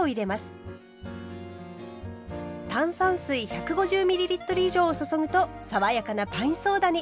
炭酸水１５０ｍ以上を注ぐと爽やかなパインソーダに！